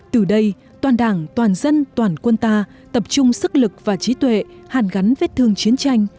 từ đây toàn đảng toàn dân toàn quân ta tập trung sức lực và trí tuệ hàn gắn vết thương chiến tranh